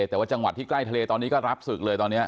แต่ว่าจังหวัดที่ใกล้ทะเลตอนนี้ก็รับศึกเลยตอนนี้